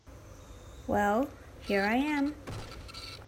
Well, here I am.